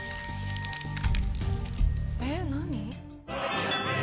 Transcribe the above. えっ何？